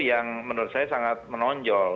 yang menurut saya sangat menonjol